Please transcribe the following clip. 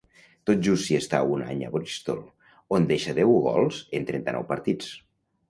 Tot just s'hi està un any a Bristol, on deixa deu gols en trenta-nou partits.